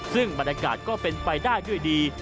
ซึ่งบรรยากาศก็เป็นไปได้ด้วยดี